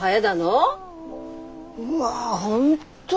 うわ本当！